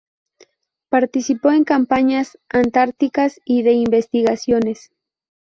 Participó en campañas antárticas y de investigaciones.